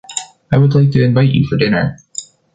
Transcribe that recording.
I would like to invite you for dinner.